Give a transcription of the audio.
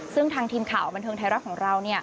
ซึ่งทางทีมข่าวบันเทิงไทยรัฐของเรา